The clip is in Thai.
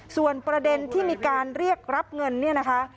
ส่วนประเด็นที่มีการเรียกรับเงินเนี่ยนะคะ